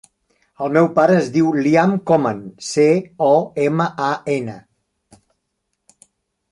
El meu pare es diu Liam Coman: ce, o, ema, a, ena.